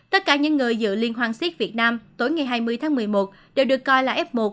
tất cả những người dự liên hoan siếc việt nam tối ngày hai mươi tháng một mươi một đều được coi là f một